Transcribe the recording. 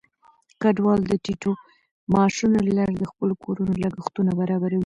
کډوال د ټیټو معاشونو له لارې د خپلو کورونو لګښتونه برابروي.